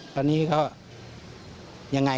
ครั้งนี้เขา